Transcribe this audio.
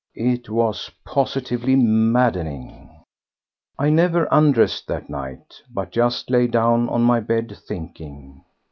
It was positively maddening. I never undressed that night, but just lay down on my bed, thinking.